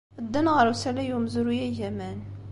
Ddan ɣer usalay n umezruy agaman.